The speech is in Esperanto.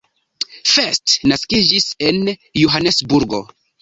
First naskiĝis en Johanesburgo.